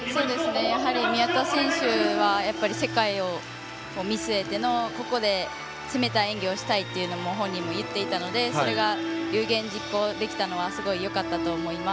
宮田選手は世界を見据えてここで攻めた演技をしたいというのを、本人も言っていたのでそれが有言実行できたのはすごい、よかったと思います。